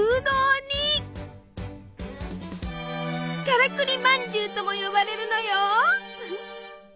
「からくりまんじゅう」とも呼ばれるのよ。